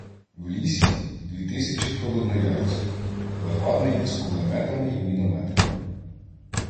В лісі — дві тисячі холодноярців, Левадний із кулеметами й мінометами.